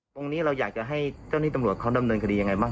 ตรงนี้เราอยากจะให้เจ้าหน้าที่ตำรวจเขาดำเนินคดียังไงบ้าง